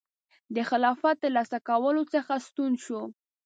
د خلافت ترلاسه کولو څخه ستون شو.